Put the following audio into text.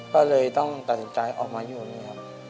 ก็เลยต้องตัดสินใจออกมาอยู่ตรงนี้ครับ